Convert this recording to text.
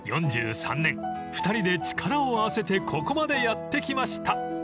［４３年２人で力を合わせてここまでやってきました］